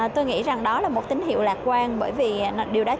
tôi nghĩ rằng đó là một tín hiệu lạc quan bởi vì điều đó cho thành công